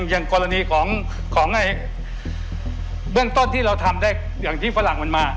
อย่างกรณีของเบื้องต้นที่เราทำได้อย่างที่ฝรั่งมันมา